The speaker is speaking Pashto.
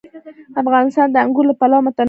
افغانستان د انګور له پلوه متنوع دی.